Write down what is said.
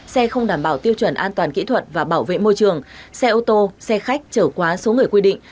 xe không đảm bảo tiêu chuẩn an toàn kỹ thuật và bảo vệ môi trường xe ô tô xe khách trở quá số người quy định